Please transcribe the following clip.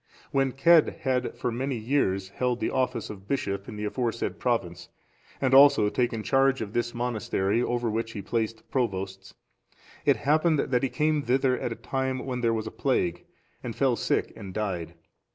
When Cedd had for many years held the office of bishop in the aforesaid province, and also taken charge of this monastery, over which he placed provosts,(428) it happened that he came thither at a time when there was plague, and fell sick and died.